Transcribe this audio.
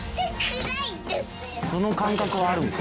「その感覚はあるんだ」